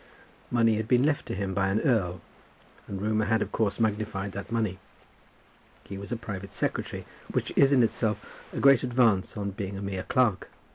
Money had been left to him by an earl, and rumour had of course magnified that money. He was a private secretary, which is in itself a great advance on being a mere clerk.